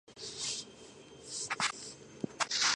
მისი უფროსი ძმა იყო პეტრე მელიქიშვილი.